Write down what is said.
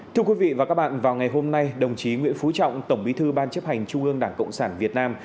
thưa quý vị và các bạn vào ngày hôm nay đồng chí nguyễn phú trọng tổng bí thư ban chấp hành trung ương đảng cộng sản việt nam